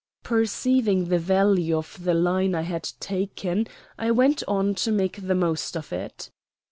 Perceiving the value of the line I had taken, I went on to make the most of it.